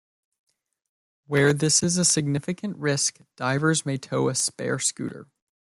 Where this is a significant risk, divers may tow a spare scooter.